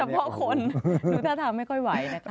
โดยเฉพาะคนดูท่าทางไม่ค่อยไหวนะครับ